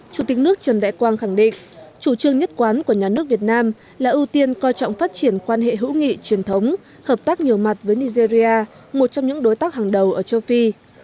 chủ tịch nước trần đại quang khẳng định chủ trương nhất quán của nhà nước việt nam là ưu tiên coi trọng phát triển quan hệ hữu nghị truyền thống hợp tác nhiều mặt với nigeria một trong những đối tác hàng đầu ở châu phi